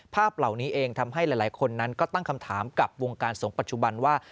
ภาพเหล่านี้เองทำให้หลายคนนั้นก็ตั้งคำถามกับวงการสงฆ์ปัจจุบันว่า